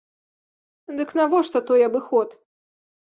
Дык навошта той абыход?